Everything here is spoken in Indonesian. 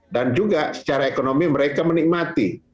dan juga secara ekonomi mereka menikmati